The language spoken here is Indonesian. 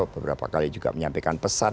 beberapa kali juga menyampaikan pesan